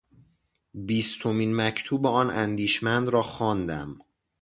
بیستمین مکتوب آن اندیشمند را خواندم.